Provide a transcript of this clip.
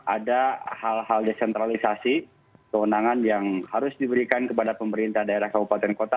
ada hal hal desentralisasi kewenangan yang harus diberikan kepada pemerintah daerah kabupaten kota